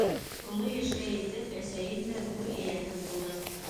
Оло йәшкә етеп, әсәйем дә гүр эйәһе булды.